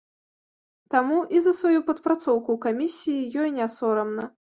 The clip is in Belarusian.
Таму і за сваю падпрацоўку ў камісіі ёй не сорамна.